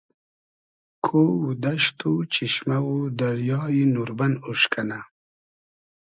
کۉ و دئشت و چیشمۂ و دریای نوربئن اوش کئنۂ